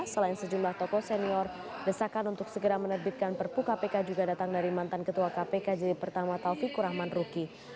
selain sejumlah tokoh senior desakan untuk segera menerbitkan perpu kpk juga datang dari mantan ketua kpk jilid pertama taufikur rahman ruki